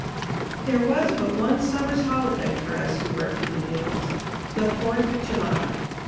There was but one summers holiday for us who worked in the mills the Fourth of July.